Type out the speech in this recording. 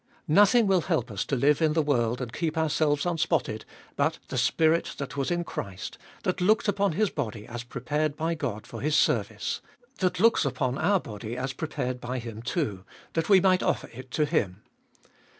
Nothing will help us to live in this world, and keep ourselves unspotted, but the Spirit that was in Christ, that looked upon His body as prepared by God for His service ; that looks upon our body as prepared by Him too, that we might offer it to Him.